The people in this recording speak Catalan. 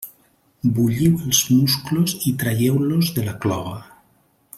Bulliu els musclos i traieu-los de la clova.